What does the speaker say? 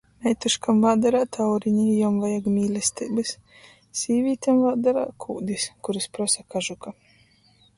Meituškom vādarā taurini, i juom vajag mīlesteibys, sīvītem vādarā kūdis, kurys prosa kažuka!